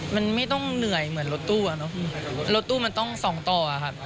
มันไม่ต้องเหนื่อยเหมือนรถตู้รถตู้มันต้อง๒ต่อค่ะ